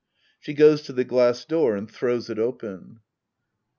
[She goes to the glass door and throws it open.